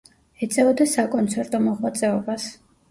ეწეოდა საკონცერტო მოღვაწეობას.